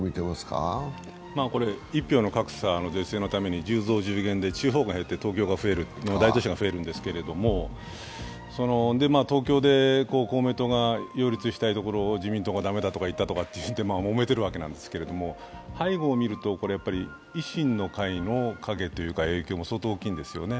一票の格差の是正のために１０増１０減で地方が減って東京が増える、大都市が増えるんですけれども、東京で公明党が擁立したいところ自民党が駄目だと言ったとかってもめてるわけなんですけれども、背後をみると維新の会の影というか影響も相当大きいんですよね。